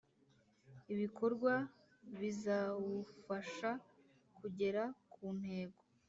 ibikorwa bizawufasha kugera ku ntego